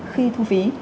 khi thu phí